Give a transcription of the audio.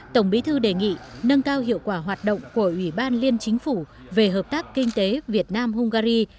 tổng bí thư đề nghị nâng cao hiệu quả hoạt động của ủy ban liên chính phủ về hợp tác kinh tế việt nam hungary